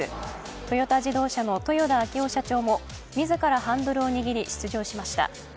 トヨタ自動車の豊田章男社長も自らハンドルを握り出場しました。